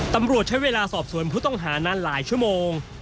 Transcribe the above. ตำรวจใช้เวลาสอบสวนผู้ต้องหานานหลายชั่วโมง